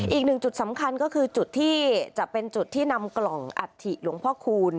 อีกหนึ่งจุดสำคัญก็คือจุดที่จะเป็นจุดที่นำกล่องอัฐิหลวงพ่อคูณ